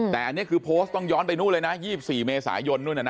แต่อันนี้คือโพสต์ต้องย้อนไปนู่นเลยนะ๒๔เมษายนนู่น